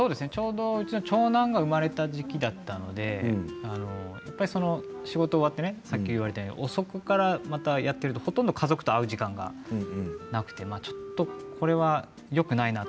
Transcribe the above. うちの長男が生まれた時期だったので仕事が終わってさっき言われたように遅くからやってるとほとんど家族と会う時間がなくてちょっとこれはよくないなと。